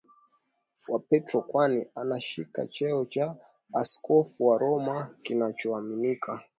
wa Petro kwani anashika cheo cha Askofu wa Roma kinachoaminika